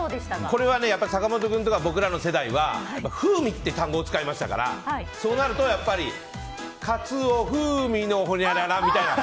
これは坂本君とか僕らの世代は風味って単語を使いましたからそうなると、やっぱりカツオ風味のほにゃららみたいな。